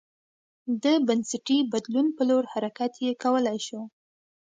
د بنسټي بدلون په لور حرکت یې کولای شو